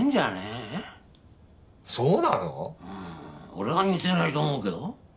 俺は似てないと思うけど。